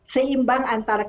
seimbang antar karbon